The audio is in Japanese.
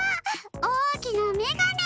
おおきなめがね！